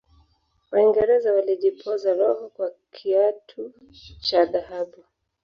waingereza walijipoza roho kwa kiatu cha dhahabu